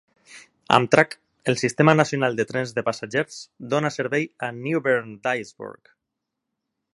Amtrak, el sistema nacional de trens de passatgers, dona servei a Newbern-Dyesburg.